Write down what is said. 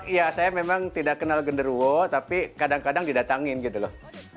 iya saya memang tidak kenal genderuwo tapi kadang kadang didatangin gitu loh